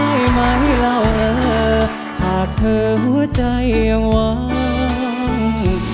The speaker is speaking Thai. ได้ไหมเราเออหากเธอหัวใจยังหวัง